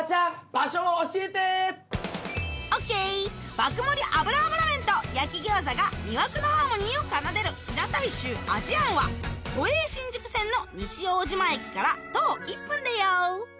爆盛油脂麺と焼き餃子が魅惑のハーモニーを奏でる「平太周味庵」は都営新宿線の西大島駅から徒歩１分だよ